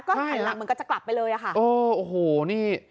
ก็หันหลังเหมือนกันจะกลับไปเลยอะค่ะโอ้โหนี่